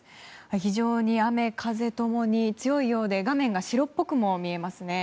非常に雨風共に強いようで画面が白っぽく見えますね。